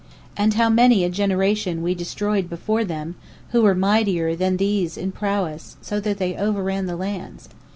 P: And how many a generation We destroyed before them, who were mightier than these in prowess so that they overran the lands!